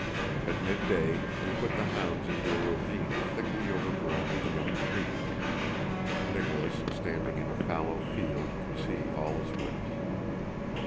At midday they put the hounds into a ravine thickly overgrown with young trees. Nicholas standing in a fallow field could see all his whips.